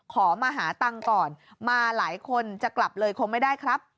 ขอมาหาตังค์ก่อนมาหลายคนจะกลับเลยคงไม่ได้ครับ